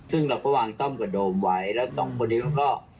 ซึ่งเราก็วางต้อมกระโดมไว้แล้วสองคนนี้เขาก็